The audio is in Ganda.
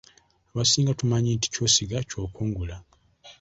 Abasinga tumanyi nti ky'osiga ky'okungula.